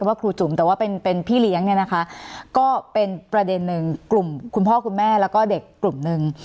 ว่าครูจุ๋มแต่ว่าเป็นเป็นพี่เลี้ยงเนี่ยนะคะก็เป็นประเด็นหนึ่งกลุ่มคุณพ่อคุณแม่แล้วก็เด็กกลุ่มนึง